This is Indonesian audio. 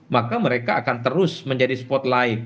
maka mereka akan terus menjadi spotlight